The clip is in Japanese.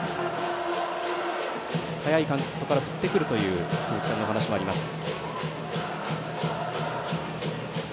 早いカウントから振ってくるという鈴木さんのお話もありました。